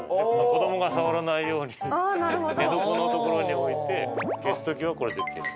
子どもが触らないように寝床の所に置いて消す時はこれで消す。